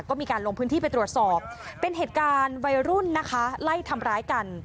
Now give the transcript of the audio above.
ก็มีการลงพื้นที่ไปตรวจสอบเป็นเหตุการณ์วัยรุ่นนะคะไล่ทำร้ายกัน